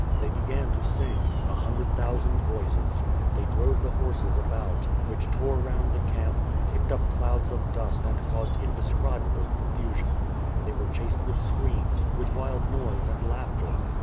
They began to sing; a hundred thousand voices; they drove the horses about, which tore round the camp, kicked up clouds of dust and caused in describable confusion. They were chased with screams, with wild noise and laughter.